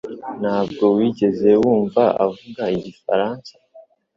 Ntabwo wigeze wumva avuga igifaransa